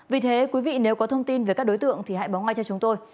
vì thế quý vị nếu có thông tin về các đối tượng thì hãy bóng ngay cho chúng tôi